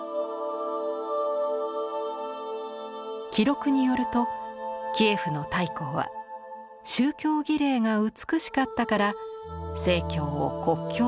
記録によるとキエフの大公は宗教儀礼が美しかったから正教を国教としたと伝わります。